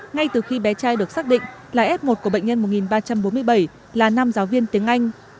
ngay từ khi bé trai được xác định là f một của bệnh nhân một ba trăm bốn mươi bảy là nam giáo viên tiếng anh